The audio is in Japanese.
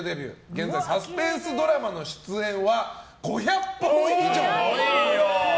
現在、サスペンスドラマの出演は５００本以上。